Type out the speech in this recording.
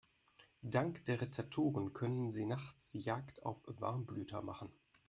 Dank der Rezeptoren können sie nachts Jagd auf Warmblüter machen.